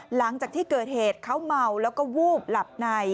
หลังจากที่เกิดเหตุเขาเมาแล้วก็วูบหลับใน